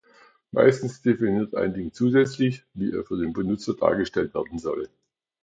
Meistens definiert ein Link zusätzlich, wie er für den Benutzer dargestellt werden soll.